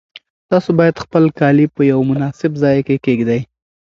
تاسو باید خپل کالي په یو مناسب ځای کې کېږدئ.